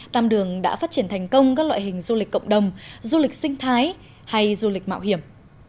tam đường đã phát triển thành công các loại hình du lịch cộng đồng du lịch sinh thái hay du lịch mạo hiểm